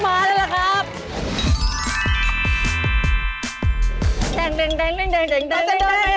พอแล้วขนาดนี้ก็ต้องมาเลยเหรอครับ